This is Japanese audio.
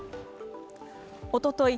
おととい